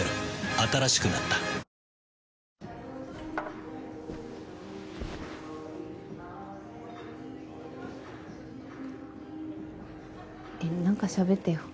新しくなったえっ何かしゃべってよ。